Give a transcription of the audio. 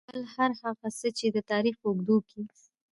بل هر هغه څه چې د تاريخ په اوږدو کې .